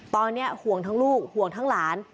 ตอนนี้ห่วงทั้งลูกห่วงทั้งหลาน